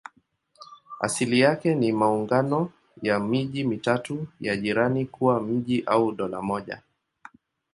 Asili yake ni maungano ya miji mitatu ya jirani kuwa mji au dola moja.